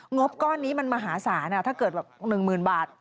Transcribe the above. งบก้อนนี้มันมหาศาลถ้าเกิดแบบหนึ่งหมื่นบาท